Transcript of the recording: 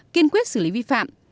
kiên quyết xử lý vi phạm